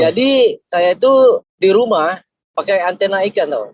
jadi saya itu di rumah pakai antena ikan tau